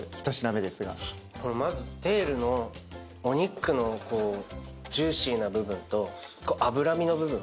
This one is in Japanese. まずテールのお肉のジューシーな部分と脂身の部分？